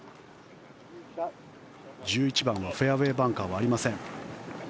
１１番はフェアウェーバンカーはありません。